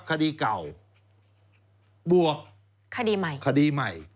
คดีเก่าบวกคดีใหม่